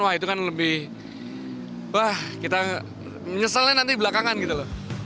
wah itu kan lebih wah kita menyesalnya nanti belakangan gitu loh